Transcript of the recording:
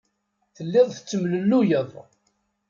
Telliḍ tettemlelluyeḍ.